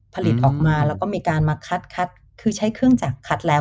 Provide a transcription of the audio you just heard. ผลิตออกมาแล้วก็มีการมาคัดคือใช้เครื่องจักรคัดแล้ว